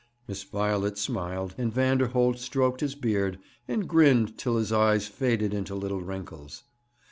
Miss Violet smiled, and Vanderholt stroked his beard, and grinned till his eyes faded into little wrinkles.